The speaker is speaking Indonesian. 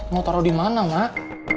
mau taruh di mana mak